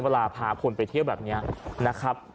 เวลาพาคนไปเที่ยวแบบนี้นะครับ